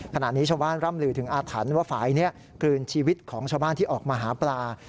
ขณะนี้ชาวบ้านร่ำลือถึงอาถรรพ์ว่าฝ่ายนี้กลืนชีวิตของชาวบ้านที่ออกมาหาปลา